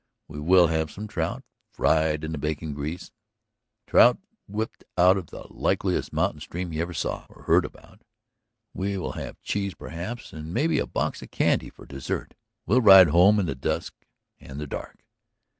We will have some trout, fried in the bacon grease, trout whipped out of the likeliest mountain stream you ever saw or heard about. We will have cheese, perhaps, and maybe a box of candy for dessert. We'll ride home in the dusk and the dark."